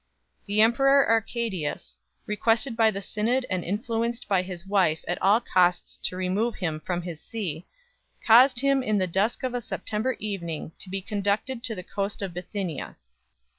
The emperor Arcadius, requested by the synod and influenced by his wife at all costs to remove him from his see, caused him in the dusk of a September evening to be conducted to the coast of Bithynia.